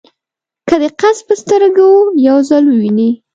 که دې قد په سترګو یو ځل وویني.